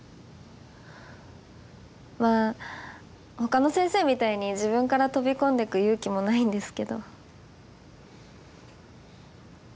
まあほかの先生みたいに自分から飛び込んでく勇気もないんですけど。